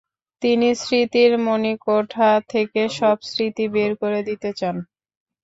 তিনি স্মৃতির মণিকোঠা থেকে সব স্মৃতি বের করে দিতে চান।